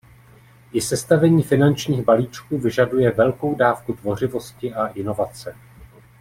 I sestavení finančních balíčků vyžaduje velkou dávku tvořivosti a inovace.